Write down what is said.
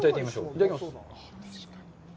いただきます。